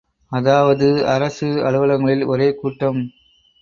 அதாவது, அரசு அலுவலகங்களில் ஒரே கூட்டம்!